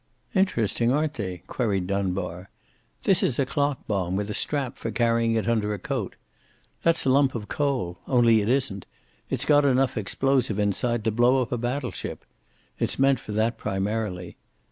"Interesting, aren't they?" queried Dunbar. "This is a clock bomb with a strap for carrying it under a coat. That's a lump of coal only it isn't. It's got enough explosive inside to blow up a battleship. It's meant for that, primarily.